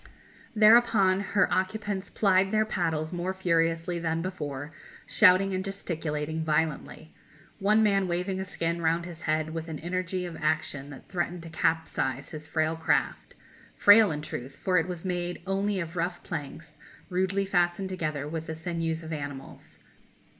Thereupon her occupants plied their paddles more furiously than before, shouting and gesticulating violently, one man waving a skin round his head with an energy of action that threatened to capsize his frail craft frail, in truth, for it was made only of rough planks rudely fastened together with the sinews of animals.